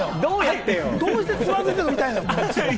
どうして、つまずいてるとこ見たいのよ？